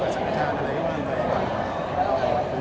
บนตรงบ้านแปลงเออไป